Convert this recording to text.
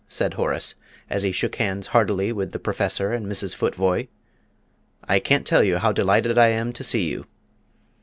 said Horace, as he shook hands heartily with the Professor and Mrs. Futvoye. "I can't tell you how delighted I am to see you."